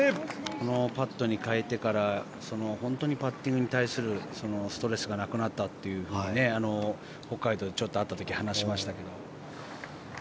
このパットに変えてから本当にパッティングに対するストレスがなくなったというふうに北海道で会った時に話していましたが。